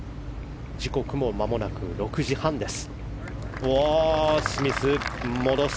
時刻も間もなく６時半です。